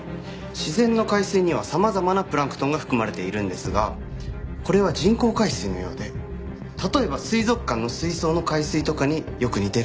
自然の海水には様々なプランクトンが含まれているんですがこれは人工海水のようで例えば水族館の水槽の海水とかによく似ているんです。